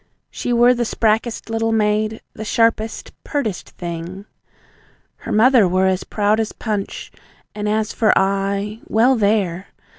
She were the sprackest little maid, the sharpest, pertest thing. Her mother were as proud as punch, and as for I well, there!